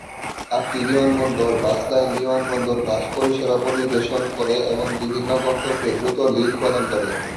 আটটি বিমানবন্দর bus line বিমানবন্দর বাস পরিষেবা পরিবেশন করে এবং বিভিন্ন গন্তব্যে দ্রুত লিঙ্ক প্রদান করে।